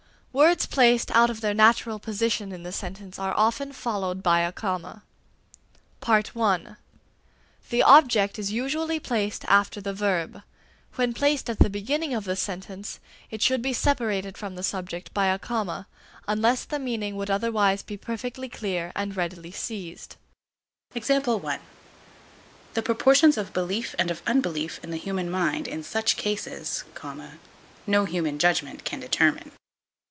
Words placed out of their natural position in the sentence are often followed by a comma. (1) The object is usually placed after the verb; when placed at the beginning of the sentence, it should be separated from the subject by a comma, unless the meaning would otherwise be perfectly clear and be readily seized. The proportions of belief and of unbelief in the human mind in such cases, no human judgment can determine.